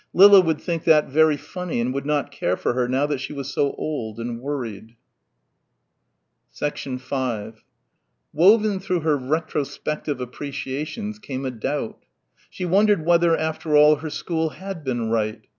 Lilla would think that very funny and would not care for her now that she was so old and worried.... 5 Woven through her retrospective appreciations came a doubt. She wondered whether, after all, her school had been right.